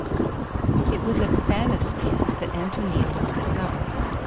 X IT was at the Vannis' tent that Ántonia was discovered.